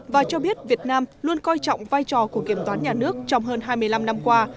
và cho biết việt nam luôn coi trọng vai trò của kiểm toán nhà nước trong hơn hai mươi năm năm qua